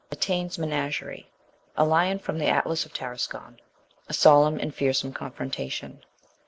Mitaine's Menagerie A Lion from the Atlas at Tarascon A Solemn and Fearsome Confrontation.